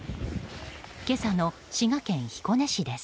今朝の滋賀県彦根市です。